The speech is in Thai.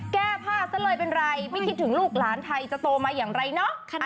แก้ผ้าซะเลยเป็นไรไม่คิดถึงลูกหลานไทยจะโตมาอย่างไรเนอะ